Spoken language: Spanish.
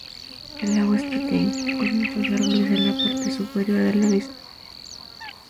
El lago es pequeño, con muchos árboles en la parte superior de la misma.